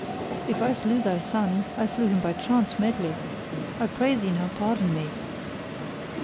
If I slew thy son, I slew him by chance medley. I pray thee now pardon me."